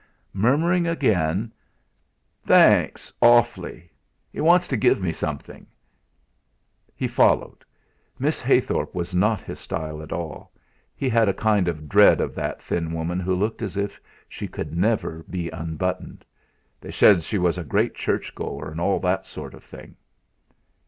Murmuring again: "Tha anks awfully; he wants to give me something," he followed. Miss Heythorp was not his style at all; he had a kind of dread of that thin woman who looked as if she could never be unbuttoned. They said she was a great churchgoer and all that sort of thing.